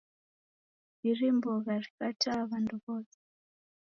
Iri mbogha rikataa w'andu w'ose?